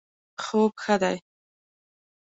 خوب ښه دی